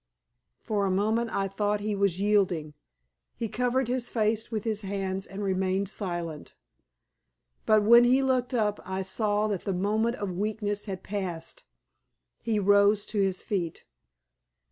For a moment I thought that he was yielding. He covered his face with his hands and remained silent. But when he looked up I saw that the moment of weakness had passed. He rose to his feet.